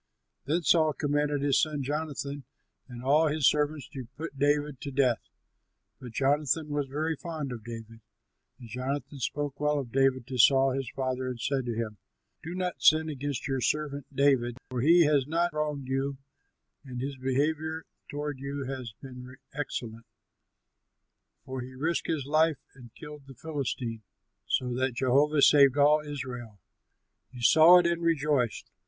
Then Saul commanded his son Jonathan and all his servants to put David to death. But Jonathan was very fond of David. And Jonathan spoke well of David to Saul his father and said to him, "Do not sin against your servant David, for he has not wronged you and his behavior toward you has been excellent; for he risked his life and killed the Philistine, so that Jehovah saved all Israel. You saw it and rejoiced.